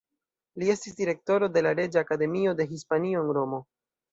Li estis Direktoro de la Reĝa Akademio de Hispanio en Romo.